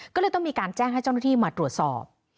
ก็เลยต้องมีการแจ้งให้เจ้าหน้าที่มาตรวจสอบ